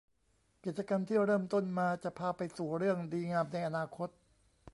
กิจกรรมที่เริ่มต้นมาจะพาไปสู่เรื่องดีงามในอนาคต